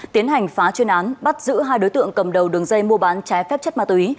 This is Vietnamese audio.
tiến hành phá chuyên án bắt giữ hai đối tượng cầm đầu đường dây mua bán trái phép chất ma túy